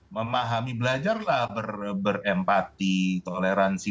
memahami belajarlah berempati toleransi